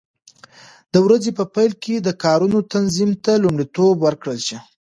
د ورځې په پیل کې د کارونو تنظیم ته لومړیتوب ورکړل شي.